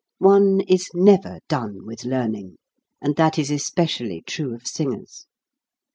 One is never done with learning; and that is especially true of singers.